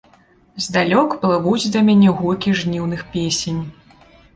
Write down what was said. Здалёк плывуць да мяне гукі жніўных песень.